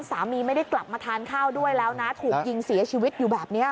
สามีไม่ได้กลับมาทานข้าวด้วยแล้วนะถูกยิงเสียชีวิตอยู่แบบนี้